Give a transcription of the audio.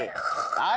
はい。